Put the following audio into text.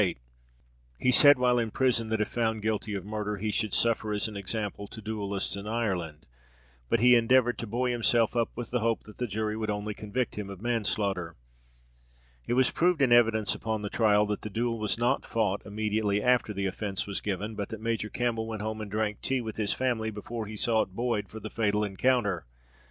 He said while in prison, that, if found guilty of murder, he should suffer as an example to duellists in Ireland; but he endeavoured to buoy himself up with the hope that the jury would only convict him of manslaughter. It was proved in evidence upon the trial, that the duel was not fought immediately after the offence was given, but that Major Campbell went home and drank tea with his family before he sought Boyd for the fatal encounter.